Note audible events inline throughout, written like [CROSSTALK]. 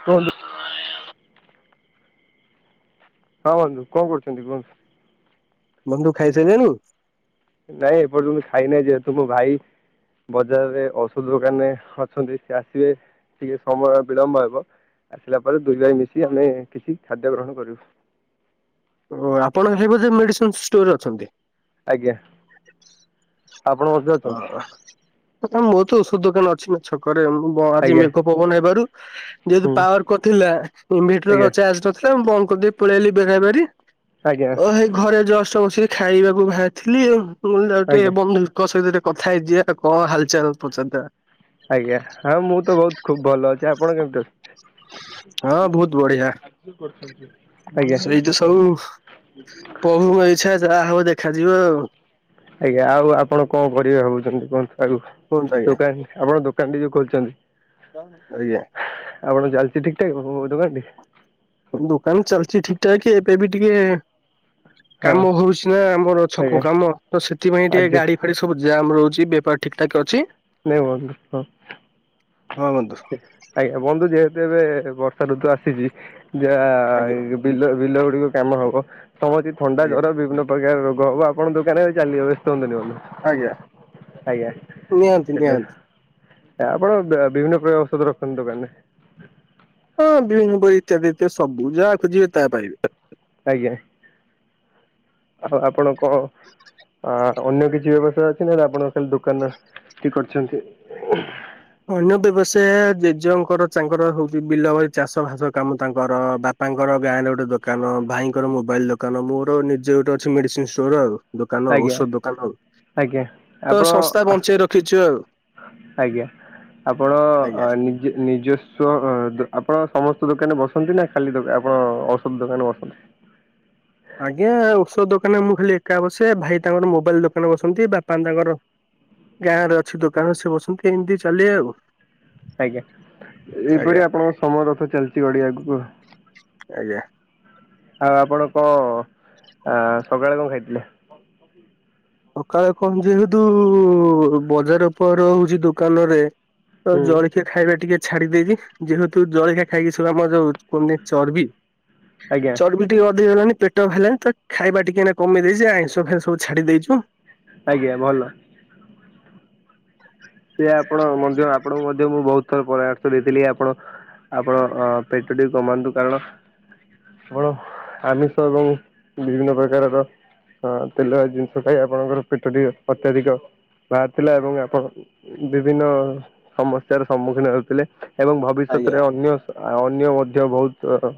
Hall ହଁ ବନ୍ଧୁ କଣ କରୁଛନ୍ତି କୁହନ୍ତୁ। ବନ୍ଧୁ ଖାଇସାରିଲୁଣୁ? ନାଇଁ ଏ ପର୍ଯ୍ୟନ୍ତ ଖାଇନାହିଁ, ଯେହେତୁ ମୋ ଭାଇ ବଜାରରେ ଔଷଧ ଦୋକାନରେ ଅଛନ୍ତି ସେ ଆସିବେ, ଟିକେ ସମୟ ବିଳମ୍ବ ହେବ। ଆସିଲା ପରେ ଦୁଇ ଭାଇ ମିଶି ଆମେ କିଛି ଖାଦ୍ୟ ଗ୍ରହଣ କରିବୁ। ଓ ଆପଣ ଭାଇ ବୋଧେ ମେଡିସିନ ଷ୍ଟୋରରେ ଅଛନ୍ତି? ଆଜ୍ଞା ଆପଣ ମଧ୍ୟ ଅଛନ୍ତି। ପ୍ରଥମତ ମୋର ଔଷଧ ଦୋକାନ ଅଛି ନା ଛକରେ, ମୁଁ ଆଜି ଆଜ୍ଞା ମେଘ ପବନ ହେବାରୁ ଯେହେତୁ ହୁଁ ପାୱାର କଟଥିଲା ଇନଭଟର ଆଜ୍ଞା ଚାର୍ଜ ନଥିଲା, ମୁଁ ବନ୍ଦ କରିଦେଇ ପଳେଇ ଆଇଲି ବେଳାବେଳି। ଆଜ୍ଞା ଓ ହେଇ ଘରେ ଜଷ୍ଟ ବସିକି ଖାଇବାକୁ ବାହାରିଥିଲି ଆଉ, ମୁଁ ଯାଉଛି ଆଜ୍ଞା ଟିକେ ବନ୍ଧୁ ଙ୍କ ସହିତ ଟିକେ କଥା ହେଇଯିବା, କଣ ହାଲଚାଲ ପଚାରଦବା ଆଜ୍ଞା ହଁ ମୁଁ ତ ବହୁତ ଖୁବ ଭଲ ଅଛି ଆପଣ କେମିତି ଅଛ ହଁ ବହୁତ ବଢିଆ। କାର୍ଯ୍ୟ କରଛନ୍ତି। ସେଇତ ସବୁ ପ୍ରଭୁଙ୍କ ଇଛା ଯାହା ହବ ଦେଖାଯିବ ଆଉ। ଆଜ୍ଞା ଆଉ ଆପଣ କଣ କରିବେ ଭାବୁଛନ୍ତି କୁହନ୍ତୁ ଆଗକୁ? କୁହନ୍ତୁ ଆଜ୍ଞା। ଦୋକାନ ଆପଣ ଦୋକାନଟି ଖୋଲିଛନ୍ତି। ଆଜ୍ଞା। ଆଉ କଣ ଚାଲିଛି ଠିକ୍ ଠାକ୍ [UNINTELLIGIBLE] ଦୋକାନଟି। ଦୋକାନ ଚାଲିଛି ଠିକ ଠାକ ଏବେ ବି ଟିକେ ହଁ କାମ ହଉଛି ନା ଆମର ଆଜ୍ଞା ଛକ କାମ, ତ ସେଥିପାଇଁ ଟିକେ ଆଜି ଗାଡି ଫାଡି ସବୁ ଯାମ୍ ରହୁ ଛି, ବେପାର ଠିକ୍ ଠାକ ଅଛି। ନେ ବନ୍ଧୁ କହ। ହଁ ବନ୍ଧୁ ଆଜ୍ଞା ବନ୍ଧୁ ଯେହେତୁ ଏବେ ବର୍ଷା ଋତୁ ଆସିଛି ଯାହା ଆଜ୍ଞା ବିଲ ବିଲ ଗୁଡିକ କାମ ହବ, ସମସ୍ତେ ଥଣ୍ଡା ଆଜ୍ଞା ଜର ବିଭିନ୍ନ ପ୍ରକାର ରୋ ବନ୍ଧୁ ଆପଣ ଦୋକାନ ବି ଚାଲିବ ବ୍ୟସ୍ତ ହୁଅନ୍ତୁନି ବନ୍ଧୁ। ଆଜ୍ଞା। ଆଜ୍ଞା ନିହାତି ହେଲୋ। ନିହାତି। ଏ ଆପଣ ବିଭିନ୍ନ ପ୍ରକାର ଔଷଧ ରଖନ୍ତୁ ଦୋକାନରେ। ହଁ ବିଭିନ୍ନ ପ୍ରକାର ଇତ୍ୟାଦି ଇତ୍ୟାଦି ସବୁ ଯାହା ଖୋଜିବେ ତାହା ପାଇବେ। ଆଜ୍ଞା। ଆଉ ଆପଣ କଣ? ଆଉ ଅନ୍ୟ କିଛି ବ୍ୟବସ୍ଥା ଅଛି ନା ଆପଣ ଖାଲି ଦୋକାନଟି କରିଛନ୍ତି। ଜେଜଙ୍କର ତାଙ୍କର ହଉଛି ବିଲ ବାଡ଼ି ଚାଷ ଭାସ କାମ ତାଙ୍କର। ବାପାଙ୍କର ଗାଁରେ ଗୋଟେ ଦୋକାନ, ଭାଇ ଭାଇଙ୍କର ମୋବାଇଲ ଦୋକାନ, ମୋର ନିଜେ ଗୋଟେ ଅଛି ମେଡିସିନ ଷ୍ଟୋର ଆଉ। ଦୋକାନ ଆଜ୍ଞା ଔଷଧ ଦୋକାନ ଆଉ ଆଜ୍ଞା ତ ସଂସ୍ଥା ଆପଣ ବଞ୍ଚେଇ ରଖିଛୁ ଆଉ। ଆଜ୍ଞା ଆପଣ ଆଜ୍ଞା। ନିଜ ନିଜସ୍ୱ ଦୋ ଆପ ଆପଣ ସମସ୍ତ ଦୋକାନରେ ବସନ୍ତି ନା ଖାଲି ଦୋକାନ ଆପଣ ଔଷଧ ଦୋକାନ ବସନ୍ତି। ଆଜ୍ଞା ଔଷଧ ଦୋକାନରେ ମୁଁ ଖାଲି ଏକା ବସେ, ଭାଇ ତାଙ୍କର ମୋବାଇଲ ଦୋକାନରେ ବସନ୍ତି, ବାପା ତାଙ୍କର ଗାଁ ରେ ଅଛି ଦୋକାନ ସେ ବସନ୍ତି ଏମିତି ଚାଲେ ଆଉ। ଆଜ୍ଞା ଆଜ୍ଞା ଏଇପରି ଆପଣଙ୍କ ସମୟ ରଥ ଚାଲିଛି ଗଡି ଆଗକୁ। ଆଜ୍ଞା। ଆଉ ଆପଣ କଣ ଆଁ ସକାଳେ କଣ ଖାଇଥିଲେ? ସକାଳେ କଣ ଯେହେତୁ ବଜାର ଉପର ରହୁଛି, ଦୋକାନରେ ତ ହୁଁ ଜଳଖିଆ ଖାଇବା ଟିକେ ଛାଡି ଦେଇଛିି ଯେହେତୁ ଜଳଖିଆ ଖାଇକି ଶଳା ମ ଯୋଉ କୁହନ୍ତିନି ଚର୍ବି ଆଜ୍ଞା ଚର୍ବି ଟିକେ ଅଧିକ ହେଲାଣି। ପେଟ ବାହାରିଲଣି ତ ଖାଇବା ଟିକେ ଏଇନେ କମେଇ ଦେଇଛି ଆଇଁଷ ଫାଇଁସ ସବୁ ଛାଡ଼ି ଦେଇଛୁ। ଆଜ୍ଞା ଭଲ। ସେ ଆପଣ ମଧ୍ୟ ଆପଣଙ୍କୁ ମଧ୍ୟ ମୁଁ ବହୁତ ଥର ପରାମର୍ଶ ଦେଇଥିଲି ଆପଣ ଆପଣ ଅ ପେଟ ଟିକେ କମାନ୍ତୁ କାରଣ ମୋର ଆମିଷ ଏବଂ ବିଭିନ୍ନ ପ୍ରକାରର। ହଁ ତେଲଭାଜି ଜିନିଷ ଖାଇ ଆପଣଙ୍କର ପେଟ ଟିକେ ଅତ୍ୟଧିକ ବାହାରି ଥିଲା ଏବଂ ଆପଣ। ବିଭିନ୍ନ ସମସ୍ୟାର ସମ୍ମୁଖୀନ ହେଉଥିଲେ ଏବଂ ଆଜ୍ଞା ଭବିଷ୍ୟତରେ ଅନ୍ୟ ଅ ଅନ୍ୟ ମଧ୍ୟ ବହୁତ।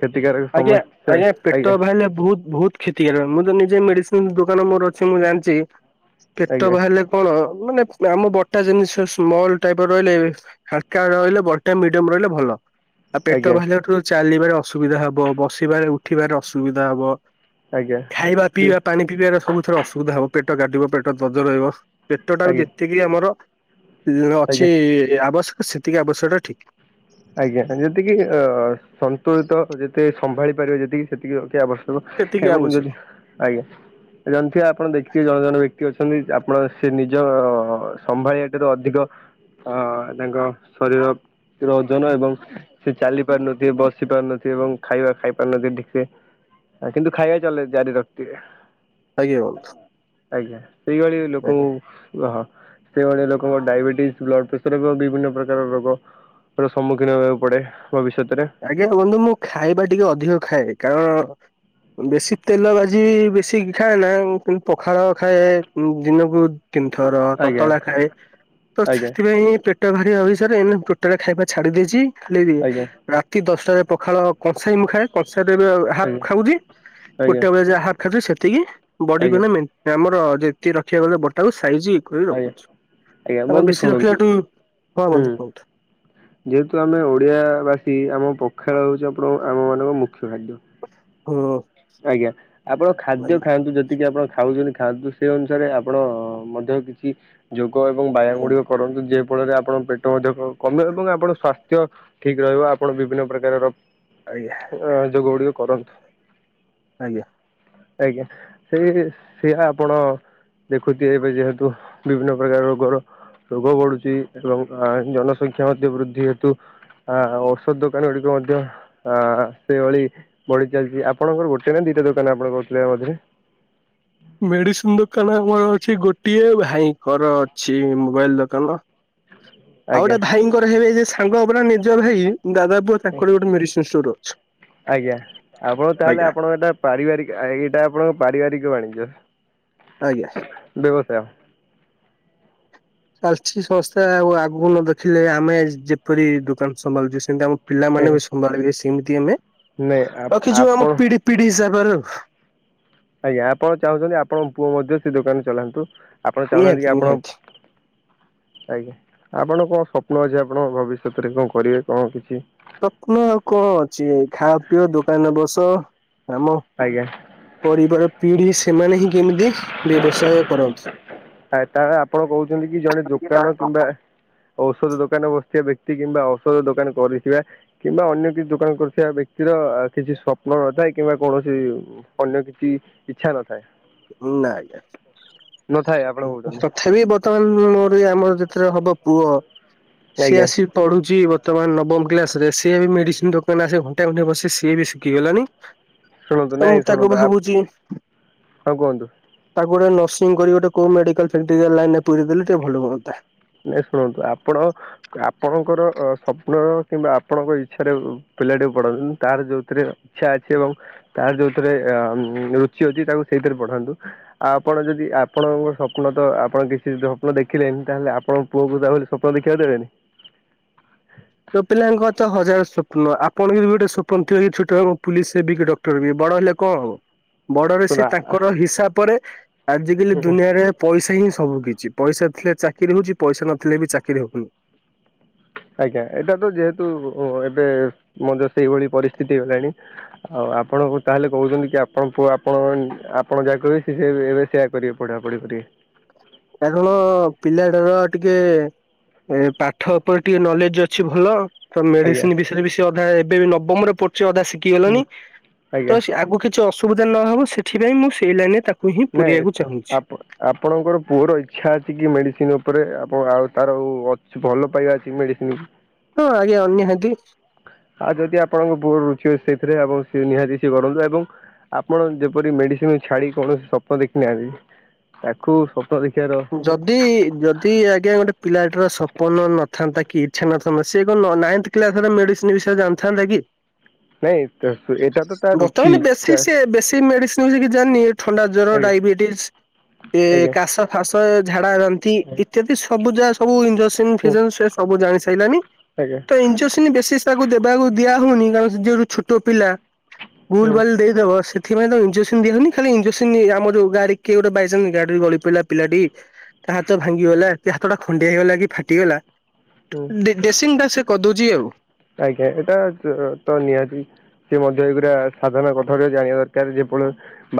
କ୍ଷତିକାରକ ଆଜ୍ଞା ସମସ୍ୟା ଆଜ୍ଞା ପେଟ ବାହାରିଲେ ବହୁତ ବହୁତ କ୍ଷତି କାରକ ମୁଁ ତ ନିଜେ ମେଡିସିନ ଦୋ ଦୋକାନ ମୋର ଅଛି ମୁଁ ଜାଣିଛି ପେଟ ଆଜ୍ଞା ବାହାରିଲେ କଣ। ମାନେ ଆମ ବଡିଟା ଜିନିଷ ସ୍ମଲ ଟାଇପ ରହିଲେ ହାଲକା ରହିଲେ ବଡି ଟା ମିଡିୟମ ରହିଲେ ଭଲ। ଆଉ ପେଟ ଆଜ୍ଞା ବାହାରିଲାଠାରୁ ଚାଲିବାରେ ଅସୁବିଧା ହବ ବସିବାରେ ଉଠିବାର ଅସୁବିଧା ହବ। ଆଜ୍ଞା ଖାଇବା ପିଇବା ପାଣି ପିଇବାରେ ସବୁ ଥରେ ଅସୁବିଧା ହେବ ପେଟ କାଟିବ ପେଟ ଦର୍ଜ ରହିବ। ପେଟ ଟାକୁ ଆଜ୍ଞା ଯେତିକି ଆମର ଉ ଅଛି ଆଜ୍ଞା ଆବଶ୍ୟକ ସେତିକି ଆବଶ୍ୟକ ଟା ଠିକ। ଆଜ୍ଞା ଯେତିକି ଅ ସନ୍ତୁଳିତ ଯେତେ ସମ୍ଭାଳି ପାରିବେ ଯେତିକି ସେତିକି ରଖିବା ଆବଶ୍ କ ସେତିକି ଏବଂ ଆବଶ୍ୟକ ଯଦି ଆଜ୍ଞା ଜାଣିଥିବେ ଆପଣ ଦେଖିଥିବେ ଜଣେ ଜଣେ ବ୍ୟ କ୍ତି ଅଛନ୍ତି ଆପଣ ସେ ନିଜ ସମ୍ଭାଳିିବା ଠାରୁ ଅଧିକ। ଅ ତାଙ୍କ ଶରୀର ର ଓ ଜନ ଏବଂ ସେ ଚାଲି ପାରୁନଥିବେ ବସି ପାରୁନଥିବେ ଏବଂ ଖାଇବା ଖାଇ ପାରୁନଥିବେ ଠିକ ସେ। ଆ କିନ୍ତୁ ଖାଇବା ଚଲେଇ ଜାରି ରଖୀଥିବେ। ଆଜ୍ଞା। ଆଜ୍ଞା ସେଇଭଳି ଆଜ୍ଞା ଲୋକଙ୍କୁ ବ ହଁ। ସେଭଳି ଲୋକଙ୍କ ଡାଇବେଟିସ୍ ବ୍ଲଡ଼ ପ୍ରେସର ଏବଂ ବିଭିନ୍ନ ପ୍ରକାର ରୋଗ। ର ସମ୍ମୁଖୀନ ହେବାକୁ ପଡେ। ଭବିଷ୍ୟତରେ। ଆଜ୍ଞା ବନ୍ଧୁ ମୁଁ ଖାଇବା ଟିକେ ଅଧିକ ଖାଏ କାରଣ। ବେଶୀ ତେଲ ଭାଜି ବେଶୀ ଖାଏନା କିନ୍ତୁ ପଖାଳ ଖାଏ ଉଁ ଦିନକୁ। ତିନି ଥର ଆଜ୍ଞା ତତଲା ଖାଏ ତ ଆଜ୍ଞା ସେଥିପାଇଁ ପେ ଟ ଭାରି ଅଭିଷରେ ଏଇନା ଟୋଟାଲ ଖାଇବା ଛାଡି ଦେଇଛି ଖାଲି ଇଏ। ଆଜ୍ଞା ଠି ଦଶଟାରେ ପଖାଳ କଂସାଏ ମୁଁ ଖାଏ କଂସାଏ ଠୁ ବି ଅ ହାପ୍ ଆଜ୍ଞା ଖାଉଛି ଆଜ୍ଞା ଗୋଟେ ବେଳେ ଯାହା। ଖାଉଚି ସେତିକି ବଡିକୁ ଆଜ୍ଞା ଏଇନା ମେଣ୍ଟ ଆମର ଯେତିକି ରଖିବାକୁ ଗଲେ ବଡି ଟାକୁ ସ ସାଇଜ କରି ଆଜ୍ଞା ରଖୁଛୁ ଆଜ୍ଞା ଆମେ ବନ୍ଧୁ ବେଶୀ ରଖିଲା ଶୁଣନ୍ତୁ ଠୁ ହଁ ହୁଁ ବନ୍ଧୁ କୁହନ୍ତୁ। ଯେହେତୁ ଆମେ ଓଡ଼ିଆବାସୀ ଆମ ପଖାଳ ହଉଛି ଆପଣ ଆମ ମାନଙ୍କ ମୁଖ୍ୟ ଖାଦ୍ୟ। ହୁଁ। ଆଜ୍ଞା ଆପଣ ଖାଦ୍ୟ ଆଜ୍ଞା ଖାଆନ୍ତୁ ଯେତିକି ଆପଣ ଖାଉଛନ୍ତି ଖାଆନ୍ତୁ ସେ ଅନୁସାରେ ଆପଣ ମଧ୍ୟ କିଛି ଯୋଗ ଏବଂ ବ୍ୟାୟାମ ଗୁଡିକ କରନ୍ତୁ ଯେ ଯେ ଫଳରେ ଆପଣଙ୍କ ପେଟ ମଧ୍ୟ କ-କମିବ ଏବଂ ଆପଣ ସ୍ୱାସ୍ଥ୍ୟ ଠିକ ରହିବ ଆପଣ ବିଭିନ୍ନ ପ୍ରକାରର। ଆଜ୍ଞା ଅ ଯୋଗ ଗୁଡିକ କରନ୍ତୁ। ଆଜ୍ଞା। ଆଜ୍ଞା ସେଇ ସେଆ ଆପଣ। ଦେଖୁଥିବେ ଏବେ ଯେହେତୁ ବିଭିନ୍ନ ପ୍ରକାରର ରୋଗର। ରୋଗ ବଢୁଛି ଏବଂ ଅ ଜନସଂଖ୍ୟା ମଧ୍ୟ ବୃଦ୍ଧି ହେତୁ। ଆ ଔଷଧ ଦୋକାନ ଗୁଡିକ ମଧ୍ୟ ଆ ସେଇଭଳି ବଢି ଚାଲିଛି ଆ ଆପଣଙ୍କର ଗୋଟେ ନା ଦିଇଟା ଦୋକାନ ଆପଣ କହୁଥିଲେ ମଝିରେ। ମେଡିସିନ ଦୋକାନ ଆମର ଅଛି ଗୋଟିଏ ଭାଇଙ୍କର ଅଛି ମୋବାଇଲ ଦୋକାନ। ଆଉ ଆଜ୍ଞା ଗୋଟେ ଭାଇଙ୍କର ହେବେ ଯେ ସାଙ୍ଗ ପରା ନିଜ ଭାଇ। ବ ତାଙ୍କର ଗୋଟେ ମେଡିସିନ ଷ୍ଟୋର। ଆଜ୍ଞା ଆପଣ ତାହେଲେ ଆଜ୍ଞା ଆପଣଙ୍କ ଏଇଟା ପାରିବାରିକ ଆ ଏଇଟା ଆପଣଙ୍କ ପାରିବାରି ବାଣିଜ୍ୟ। ଆଜ୍ଞା। ବ୍ୟବସାୟ। ଚାଲିଛି ସମସ୍ତେ ଆଉ ଆଗକୁ ନ ଦେଖିଲେ ଆମେ ଯ-ଯେପରି ଦୋକାନ ସମ୍ଭାଳୁଛୁ ସେମିତି ଆମ ପିଲାମାନେ ଆଜ୍ଞା ବି ସମ୍ଭାଳିବେ ସେମିତି ଆମେ ନାଇଁ ରଖିଛୁ ଆମ ଆପଣ ପିଢି ପିଢି ହିସାବ ବରେ ଆଉ। ଆଜ୍ଞା ଆପଣ ଚାହୁଁଛନ୍ତି ଆପଣଙ୍କ ପୁଅ ମଧ୍ୟ ସେ ଦୋକାନ ଚଲାନ୍ତୁ ଆପଣ ଚାହୁଁନାହାନ୍ତି ନିହାତି କି ଆପଣ। ନିହାତି। ଆଜ୍ଞା ଆପଣଙ୍କ କଣ ସ୍ୱପ୍ନ ଅଛି ଆପଣଙ୍କ ଭବିଷ୍ୟତରେ କଣ କରିବେ କଣ କିଛି? ସପନ କଣ ଚି ଖାଓ ପିଅ ଦୋକାନରେ ବସ। ଆମ ଆଜ୍ଞା ପରିବାର ପିଢି ସେମାନେ ହିଁ କେମିତି ବ୍ୟବସାୟ କରନ୍ତୁ। ଆ ତା ଆପଣ କହୁଛନ୍ତି କି ଜଣେ ଦୋକାନ କିମ୍ବା ଔଷଧ ଦୋକାନ ବସିଥିବା ବ୍ୟକ୍ତି କିମ୍ବା ଔଷଧ ଦୋକାନ କରିଥିବା କିମ୍ବା ଅନ୍ୟ କିଛି ଦୋକାନ କରିଥିବା ବ୍ୟକ୍ତିର କିଛି ସ୍ୱପ୍ନ ନଥାଏ କିମ୍ବା କୌଣସି ଅନ୍ୟ କିଛି ଇଚଛା ନଥାଏ। ନା ନଥାଏ ଆପଣ ଆଜ୍ଞା କହୁଛନ୍ତି ତଥାପି ବର୍ତ୍ତମାନ ମୋର ଆମର ହବ ପୁଅ ସିଏ ଆଜ୍ଞା ଆସିି ପଢୁଛି ବର୍ତ ନବମ କ୍ଲାସ ରେ ସେଏ ବି ମେଡିସିନ ଦୋକାନ ଘଣ୍ଟା ଘଣ୍ଟେ ବସି ସିଏ ବି ଶିଖିଗଲଣି ଶୁଣନ୍ତୁ ତ ମୁଁ ନାଇଁ ତାକୁ ଶୁଣନ୍ତୁ ଭାବୁଛି ହଁ କୁହନ୍ତୁ। ନର୍ସିଂ କରି କୋଉ ମେଡିକାଲ ଲାଇନ ରେ ପୁରେଇ ଦେଲେ ଟିକ ଭଲ ହଅନ୍ତା। ନାଇଁ ଶୁଣନ୍ତୁ ଆପଣ ଆପଣଙ୍କର ସ୍ୱପ୍ନର କିମ୍ବା ଆପଣଙ୍କ ଇଚ୍ଛାରେ ପିଲାଟିକୁ ପଢଛନ୍ତି ତାର ଯୋଉଥିରେ ଇ୍ଛା ଅଛି ଏବଂ ତାର ଯୋଉଥିରେ ରୁଚି ଅଛି ତାକୁ ସେ ପଢାନ୍ତୁ ଆଉ ଆପଣ ଯଦି ଆପଣଙ୍କ ସ୍ୱପ୍ନ ତ ଆପଣ କିଛି ସଵପ୍ନ ଦେଖିଲେନି ତାହେଲେ ଆପଣ ପୁଅ କ ଯାହା ବୋଲି ସ୍ୱପ୍ନ ଦେଖିବାକୁ ଦେବେନି। ତୋ ପିଲାଙ୍କ ହଜାର ସଵପ୍ନ ଆପଣ ଯ ଗୋଟେ ସଵପ୍ନ ଥିବ କି ଛୋଟବେ ପୋଲିସ ହେବ ବି କି ଡକ୍ଟର ବି ବଡ ହେଲେ କଣ ହବ ବଡରେ ଶୁଣ ସେି ତାଙ୍କର ହିସାବ ପରେ- ଆଜିକାଲି ଦୁନିଆରେ ପଇସା ହିଁ ସବୁ କିଛି ପଇସା ଥିଲେ ଚାକିରି ହଉଛି ପଇସା ନଥିଲେ ବି ଚାକିରି ହଉନି ଆଜ୍ଞା ଏଟା ତ ଯେହେତୁ ଏବେ ମ ସେଇଭଳି ପରିସ୍ଥିତି ହେଲାଣି ଆଉ ଆପଣ ଆପଣ ତାହେଲେ କହୁଛନ୍ତି କି ଆପଣୁଅ ଆପଣ ଆପଣ ଯାହା କହିବେ ସେ ଏବେ ସେୟା କରିବେ ପଢ଼ାପଢି କରିବେ। କାରଣ ପିଲା ର ଟିକେ ଏ ପାଠ ଉପରେ ଟିକେ ନଲେଜ ଅଛି ଭଲ। ତ ଆଜ୍ଞା ମେଡିସିନ ବିଷୟରେ ବିେଶ ଅଧା ଏବେ ବି ନବମରେ ଅଦା ଶିଖି ହୁଁ ଗଲଣି ତ ଆଜ୍ଞା। ଆଗ କିଛି ଅସୁବିଧା ନହବ ସେଥିପାଇଁ ମୁଁ ସେଇ ଲାଇନ ରେ ତାକୁ ହିଁ ପୁରେଇବାକୁ ନାଇଁ ଚାହୁଁଛି। ଆପଣଙ୍କର ପୁଅ ରହିଛି ଇ୍ଛା ଅଛି କି ମେଡିସିନ ଉପରେ ଆପଣ ଆଉ ତାର ଅଛି ଭଲ ପାଇବା ଅଛି ମେଡିସିନ ହଁ ଆଜ୍ଞା ନିହାତି ଆଉ ଯଦି ଆପଣଙ୍କ ପୁଅର ରୁଚି ହୁଏଛି ସେଇଥିରେ ଆପଣ ନିହାତି ସେ କରନ୍ତୁ ଏବଂ ଆପଣ ଯେପରି ମେଡିସିନ ଛାଡି କୌଣସି ସପ ଦେଖିନି ଆନ୍ତି ତାକୁ ସ ଯଦି ଯଦି ଆଜ୍ଞା ଗୋଟେ ପିଲା ର ସପ୍ନ ନଥାନ୍ତା କି ଇଚ୍ଛା ନଥାନ୍ତା ସ ସେ ନାଇ କ୍ ମେଡିସି ବିଷୟରେ ଜାଣିଥାନ୍ତା କି? ନାଇଁ ଏଇଟା ତ ତା ରୁଚି ବର୍ତ୍ତମାନ ବେଶୀ ସେ ବେଶୀ ମେଡିସିନ ଥଣ୍ଡା ଜର ଆଜ୍ଞା ଡାଇବେଟିସ୍ ଏ ଆଜ୍ଞା କାଶ ଫାଶ ବାନ୍ତି ଇତ୍ୟାଦି ସବୁ ଯାହା ସବୁ ହୁଁ ଇେସ ସେ ସବୁ ଜାଣି ସାରିଲାନଣି ଆଜ୍ଞା ତ ଇଞ୍ଜେକ୍ସନ ବେଶୀ ତାକୁ ଦେବାକୁ ଦିଆ ହଉନି କାରଣ ଯଉଠୁ ଛୋଟ ପିଲା ଭୁଲ ହୁଁ ବାଲଲି ଦେଇଦବ ସେଥିପାଇଁ ତ ଇଞଜେକ୍ସନ ଦିଅନି ଖାଲି ଇଞଜେସନ ଆମ ଯୋଉ ଗାଡି କିଏ ଗୋଟେ ବାଇଚନ୍ସ ଗାଡିରେ ଗଳି ପିଲା ପିଲାଟି ତା ହାତ ଭାଙ୍ଗିଗଲା ତା ହାତ ଟା ଖଣ୍ଡିଆ ହେଇଗଲା କି ଟିଗଲା ହୁଁ ଡେସି ଟା ସେ କରିଦଉଛି ଆଉ। ଆଜ୍ଞା ଏଟା ତ ନିହାତି ସଏ ମଧ୍ୟ ଏଇ ଗୁରା ସାଧାରଣ କଥା ଗୁେ ଜାଣିବା ଦରକାର ଯେପଳୁ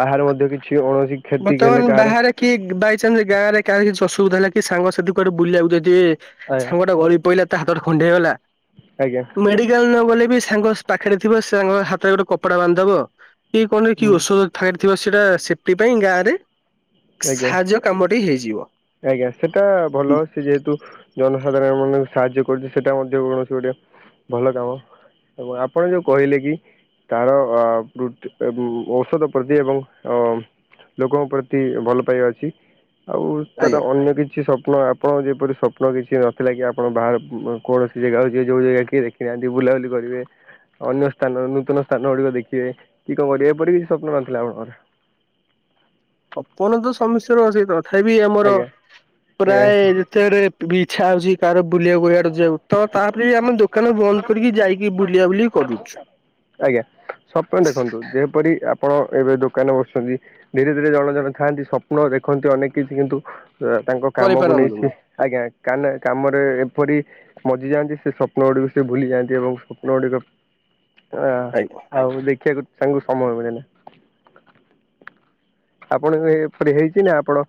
ବାହାରେ ମଧ୍ୟ କିଛି କୌଣସି କ୍ଷତି ବର୍ତ୍ତମାନ ହେଲେ କାହାର ବାହାରେ କି ବାଇଚନ୍ସ ଗାଁ ରେ କାଛି ଅ ବଧ ହେଲା କି ସାଙ୍ଗ ସେଠୁ ଗଡେ ବୁଲିବାକୁ ଯଦି ସାଙ୍ଗ ଆଜ୍ଞା ଟା ଗଳି ପଇଲ। ତା ହାତ ଟା ଖଣ୍ଡିଆ। ହେଇଗଲା ଆଜ୍ଞା ମେଡିକାଲ ନ ଗଲେ ବି ସାଙ୍ଗ ପାଖରେ ଥିବ ସେ ସାଙ୍ଗ ହାତରେ ଗୋଟେ କପଡା ବାନ୍ଧିଦବ କି କଣରେ କି ହୁଁ ଔଷଧ କ ଥିବା ସେଇଟା ସେଫ୍ଟି ପାଇଁ ଗାଁ ରେ ଆଜ୍ଞା ସାହାଯ୍ୟ କାମଟି ହେଇଯିବ। ଆଜ୍ଞା ସେଟା ଭଲ ସେ ଯେହେତୁ ଜନ ସାଧାରଣ ମାନଙ୍କୁ ସାହାଯ୍ୟ କରୁଛି ସେଟା ମଧ୍ୟ କୌଣସି ଗୋଟେ ଭଲ କାମ। ଏବଂ ଆପଣ ଯୋଉ କହିଲେ କି ତାର ଅ ଔଷଧ ପ୍ରତି ଏବଂ ଅ ଲୋକଙ୍କ ପ୍ରତି ଏ ଭଲ ପାଇବା ଅଛି ଆଉ ତାର ଆଜ୍ଞା ଅନ୍ୟ କିଛି ସ ଆପ ଆପଣଙ୍କ ଯେପରି ସ୍ୱପ୍ନ କିଛି ନଥିଲା କି ଆପଣ ବାହାର କୌଣସି ଜାଗା [UNINTELLIGIBLE] ଯୋଉ ଜାଗା କି ଦେଖିନାହାନ୍ତି ବୋଲି ବୁଲାବୁଲି କରିବେ ଅନ୍ୟ ସ୍ଥାନ ନୂତନ ସ୍ଥାନ ଗୁଡିକ ଦେଖିବେ କି କଣ କରିବେ ଏପରି କିଛି ସ୍ୱପ୍ନ ନଥିଲା ଆପଣଙ୍କର [INAUDIBLE] ଅପନ ତ ସମସ୍ୟ ର ଅ ସେ ତଥାପି ଆମର ଆଜ୍ଞା ପ୍ରାୟ ଆଜ୍ଞା ଯେତେବେଳେ ବି ଇଚ୍ଛା ହଉଛି କାହାର ବୁଲିବାକୁ ଇଆଡ଼େ ଯିବାକୁ ତ ତାପରେ ବି ଆମେ ଦୋକାନ ବନ୍ଦ କରିକି ଯାଇକି ବୁଲିବା ବୁଲି କରୁଛୁ। ଆଜ୍ଞା ସପାମ। ଦେଖନ୍ତୁ ଯେପରି ଆପଣ ଏବେ ଦୋକାନ ବସୁଛନ୍ତି ଧୀରେ ଧୀରେ ଜଣେ ଜଣ ଥାଆନ୍ତି ସ୍ୱପ୍ନ ଦେଖନ୍ତି ଅନେକ କିଛି କିନ୍ତୁ ତାଙ୍କ କାମକୁ ନେଇଛି କରିପାରନ୍ତୁନି। ଆଜ୍ଞା କାନ କାମରେ ଏପରି ମଜିଯାଆନ୍ତି ସେ ସ୍ୱପ୍ନ ଗୁଡିକ ସେ ଭୁଲିଯାଆନ୍ତି ଏବଂ ସ୍ୱପ୍ନ ଗୁଡିକ [INAUDIBLE] ଆ ଆଜ୍ଞା ଆଉ ଦେଖିବାକୁ ତାଙ୍କୁ ସମୟ ମିିଳେନା ଆପଣ ଏବେ ଏପରି ହେଇଛି ନା ଆପଣ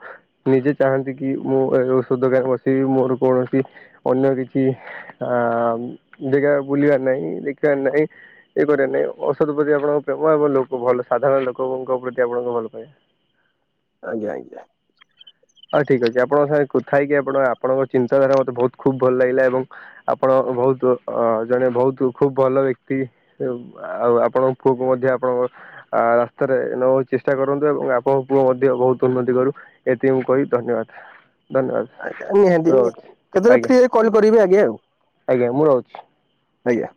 ନିଜେ ଚାହାନ୍ତି କି ମୁଁ ଔଷଧ କରିଛି ମୋର କୌଣସି ଅନ୍ୟ କିଛି ଅ ଜାଗା ବୁଲିବାର ନାହିଁ ଦେଖିବାର ନାହିଁ ଇଏ କରିବା ନାଇଁ ଔଷଧ ପ୍ରତି ଆପଣଙ୍କ ପ୍ରେମ ଏବଂ ଲୋକ ଭଲ ସାଧାରଣ ଲୋକଙ୍କ ପ୍ରତି ଆପଣଙ୍କ ଭଲ ପାଇବା ଆଜ୍ଞା ଆଜ୍ଞା। ହଁ ଠିକ ଅଛି ଆପଣଙ୍କ ସାଙ୍ଗେ କଥା ହେଇକି ଆପଣ ଆପଣଙ୍କ ଚିନ୍ତାଧାରା ମତେ ବହୁତ ଖୁବ ଭଲ ଲାଗିଲା ଏବଂ ଆପଣ ବହୁତ ଅ ଜଣେ ବହୁତ ଖୁବ ଭଲ ବ୍ୟକ୍ତି ଆଉ ଆପଣଙ୍କ ପୁଅ କ ମଧ୍ୟ ଆପଣଙ୍କ ରାସ୍ତାରେ ନବା ଚେଷ୍ଟା କରନ୍ତୁ ଏବଂ ଆପଣଙ୍କୁ ମଧ୍ୟ ବହୁତ ଉନ୍ନତି କରୁ ଏ ଙ୍କୁ କହି ଧନ୍ୟବାଦ ଆଜ୍ଞା ନିହାତି ରହୁଛି କେତେବେଳେ ଆଜ୍ଞା ଫ୍ରିରେ କଲ କରିବି ଆଜ୍ଞା ଆଉ ଆଜ୍ଞା ମୁଁ ରହୁଛି। ଆଜ୍ଞା।